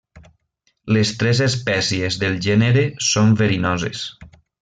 Les tres espècies del gènere són verinoses.